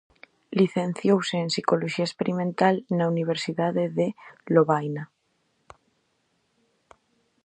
Licenciouse en Psicoloxía Experimental na Universidade de Lovaina.